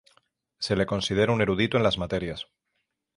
Se le considera un erudito en las materias.